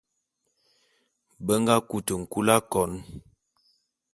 Be nga kute nkul akon.